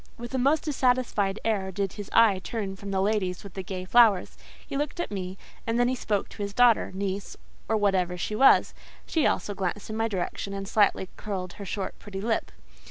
With a most dissatisfied air did his eye turn from the ladies with the gay flowers; he looked at me, and then he spoke to his daughter, niece, or whatever she was: she also glanced in my direction, and slightly curled her short, pretty lip.